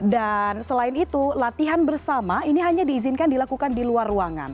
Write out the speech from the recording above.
dan selain itu latihan bersama ini hanya diizinkan dilakukan di luar ruangan